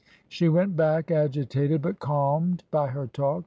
She went back agitated but calmed by her talk.